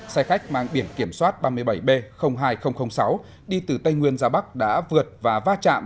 xe khách mang biển kiểm soát ba mươi bảy b hai sáu đi từ tây nguyên ra bắc đã vượt và va chạm